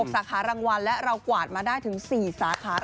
สาขารางวัลและเรากวาดมาได้ถึง๔สาขา